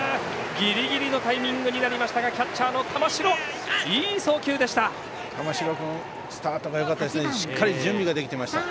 ギリギリのタイミングになりましたがキャッチャーの玉城いい送球でした。